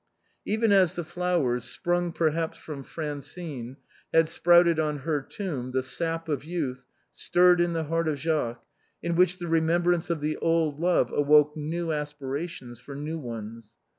Even as the flowers, sprung perhaps from Francine, had sprouted on her tomb the sap of youth stirred in the heart of Jacques, in which the remembrance of the old love awoke vague aspirations for new ones.